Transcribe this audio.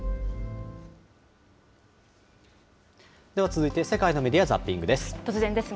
では、続いて世界のメディアザッピングです。